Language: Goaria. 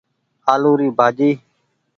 آلو ري ڀآڃي۔